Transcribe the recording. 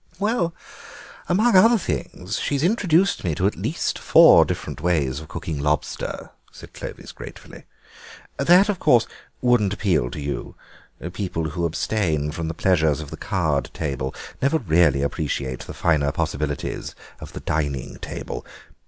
"Well, among other things, she's introduced me to at least four different ways of cooking lobster," said Clovis gratefully. "That, of course, wouldn't appeal to you; people who abstain from the pleasures of the card table never really appreciate the finer possibilities of the dining table.